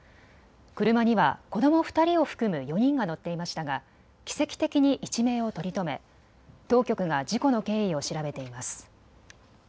車には子ども２人を含む４人が乗っていましたが奇跡的に一命を取り留め、当局が事故の経緯を調べています。